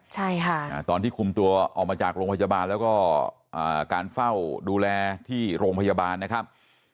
ใช่ค่ะตอนที่คุมตัวออกมาจากโรงพยาบาลแล้วก็การเฝ้าดูแลที่โรงพยาบาลนะครับ